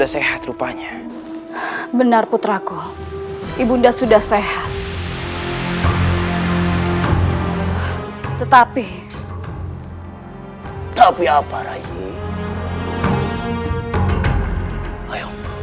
pertama yang siap biro